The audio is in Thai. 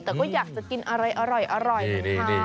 แต่ก็อยากจะกินอะไรอร่อยของเขา